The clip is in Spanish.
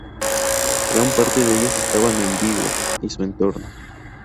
Gran parte de ellas estaban en Vigo y su entorno.